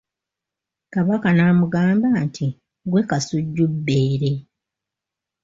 Kabaka n’amugamba nti ggwe Kasujjubbeere.